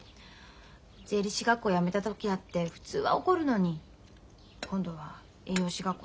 税理士学校やめた時だって普通は怒るのに今度は栄養士学校でしょ？